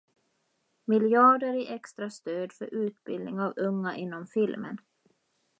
Miljarder i extra stöd för utbildning av unga inom filmen.